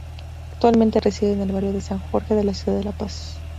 Actualmente reside en el barrio de San Jorge de la ciudad de La Paz.